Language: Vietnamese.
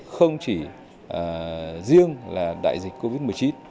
không chỉ riêng là đại dịch